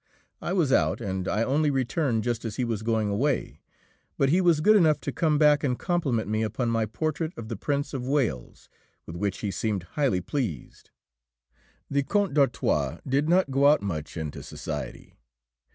I was out, and I only returned just as he was going away. But he was good enough to come back and compliment me upon my portrait of the Prince of Wales, with which he seemed highly pleased. The Count d'Artois did not go out much into society.